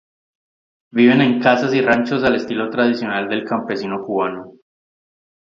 Viven en casas y ranchos al estilo tradicional del campesino cubano.